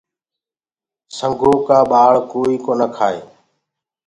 سنگو ڪآ ٻآݪ ڪوئي ڪونآ کآئي۔